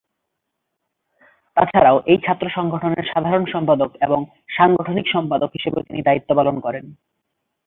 তাছাড়াও এই ছাত্র সংগঠনের সাধারণ সম্পাদক এবং সাংগঠনিক সম্পাদক হিসেবেও তিনি দায়িত্ব পালন করেন।